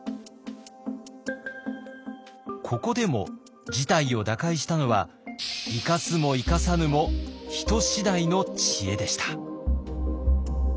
ここでも事態を打開したのは「生かすも生かさぬも人次第」の知恵でした。